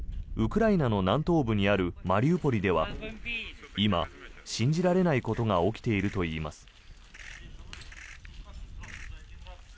ウクライナの南東部にあるマリウポリでは今、信じられないことが起きているといいます。